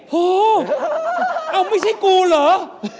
โหเอาไม่ใช่กูเหรอ